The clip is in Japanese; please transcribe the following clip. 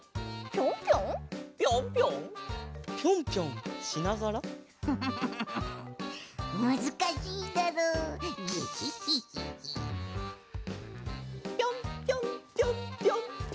ぴょんぴょんぴょんぴょんぴょんぴょんぴょん！